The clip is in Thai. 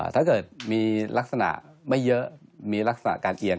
ถ้าเกิดมีลักษณะไม่เยอะมีลักษณะการเอียง